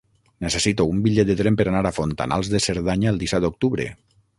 Necessito un bitllet de tren per anar a Fontanals de Cerdanya el disset d'octubre.